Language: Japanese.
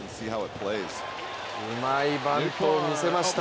うまいバントを見せました。